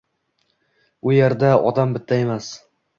u erda odam bitta emas